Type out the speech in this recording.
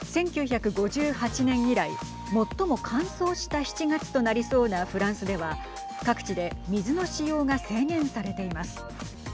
１９５８年以来最も乾燥した７月となりそうなフランスでは各地で水の使用が制限されています。